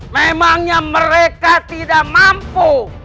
memangnya mereka tidak mampu